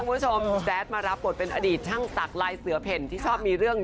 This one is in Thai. แต่ตอนนี้คุณผู้ชมแจ๊ดมารับโปรดเป็นอดีตท่างสั่งลายเสื้อเพ่นที่ชอบมีเรื่อง